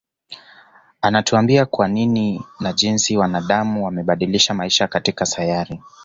Anatuambia kwa nini na jinsi wanadam wamebadilisha maisha katika sayari